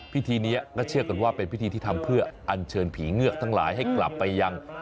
พิธีนี้ก็เชื่อกันว่าเป็นพิธีที่ทำเพื่ออัญเชิญผีเงือกทั้งหลายให้กลับไปยัง